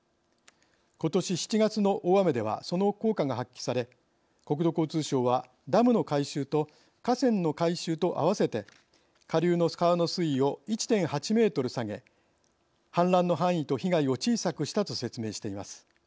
ことし７月の大雨ではその効果が発揮され国土交通省はダムの改修と河川の改修とあわせて下流の川の水位を１．８ｍ下げ氾濫の範囲と被害を小さくしたと説明しています。